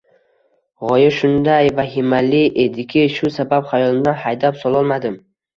G`oya shunday vahimali ediki, shu sabab xayolimdan haydab sololmadim